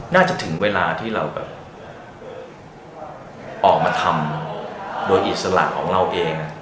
ถึงเวลาที่เราแบบออกมาทำโดยอิสระของเราเอง